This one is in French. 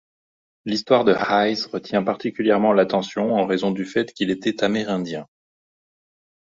L'histoire de Hayes retint particulièrement l'attention en raison du fait qu'il était amérindien.